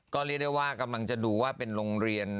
ก็เรียกได้ว่ากำลังจะดูว่าเป็นโรงเรียน